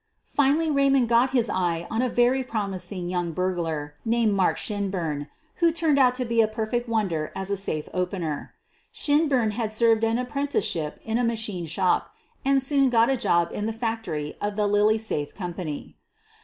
Finally Raymond got his eye on a very promising young burglar named Mark Shinburn, who turned out to be a perfect wonder as a safe opener. Shin burn had served an apprenticeship in a machine shop and soon got a job in the factory of the Lilly Safe Company.